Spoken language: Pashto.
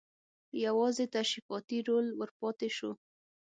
یوازې تشریفاتي رول ور پاتې شو.